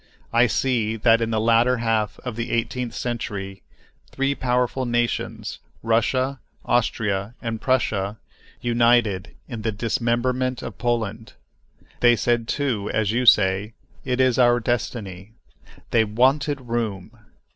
I see that in the latter half of the eighteenth century three powerful nations, Russia, Austria, and Prussia, united in the dismemberment of Poland. They said, too, as you say, "It is our destiny." They "wanted room."